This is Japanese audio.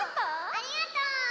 ありがとう！